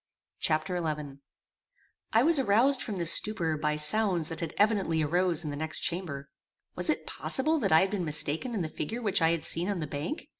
Chapter XI I was aroused from this stupor by sounds that evidently arose in the next chamber. Was it possible that I had been mistaken in the figure which I had seen on the bank?